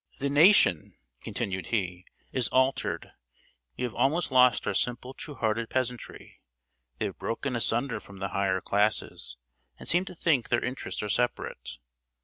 "The nation," continued he, "is altered; we have almost lost our simple true hearted peasantry. They have broken asunder from the higher classes, and seem to think their interests are separate.